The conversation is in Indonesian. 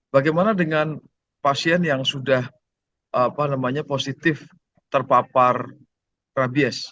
bagaimana dengan pasien yang sudah positif terpapar rabies